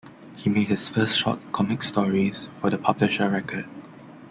He made his first short comic stories for the "Publisher Record".